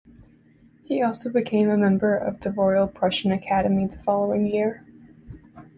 He also became a member of the Royal Prussian Academy the following year.